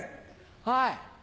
はい。